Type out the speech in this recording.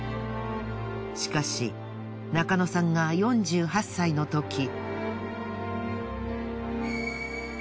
しかし中野さんが４８歳のとき。